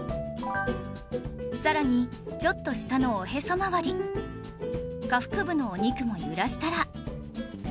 さらにちょっと下のおへそまわり下腹部のお肉も揺らしたら